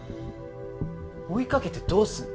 追いかけてどうするの？